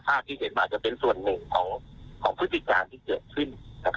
ถ้าเหตุการณ์มันจะเป็นส่วนหนึ่งของพฤติการที่เกิดขึ้น